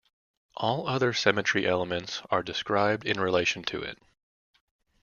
All other symmetry elements are described in relation to it.